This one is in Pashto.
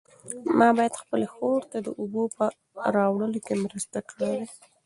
ما باید خپلې خور ته د اوبو په راوړلو کې مرسته کړې وای.